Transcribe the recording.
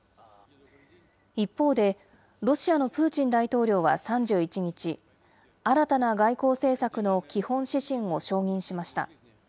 一方で、ロシアのプーチン大統領は３１日、新たな外交政策の基本指針を承認しました。